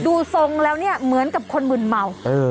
ดูทรงแล้วเนี้ยเหมือนกับคนหมื่นเมาเออ